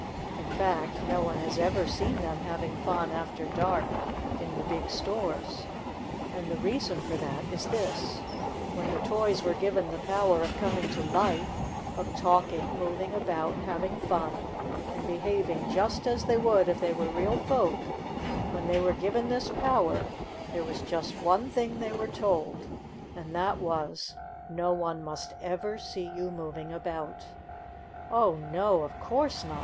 In fact, no one has ever seen them having fun after dark in the big stores. And the reason for that is this : When the toys w T ere given the power of coming to life, of talking, moving about, having fun, and behaving just as they would if they were real folk — when they were given this power there was just one thing they were told, and that was : "No one must ever see you moving about !" "Oh, no! Of course not!"